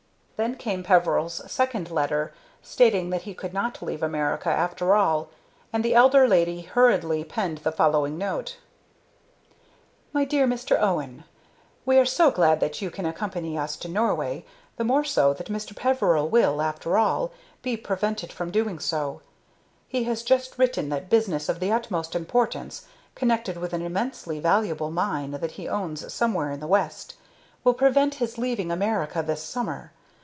Then came Peveril's second letter, stating that he could not leave America, after all, and the elder lady hurriedly penned the following note: "MY DEAR MR. OWEN: "We are so glad that you can accompany us to Norway, the more so that Mr. Peveril will, after all, be prevented from so doing. He has just written that business of the utmost importance, connected with an immensely valuable mine that he owns somewhere in the West, will prevent his leaving America this summer.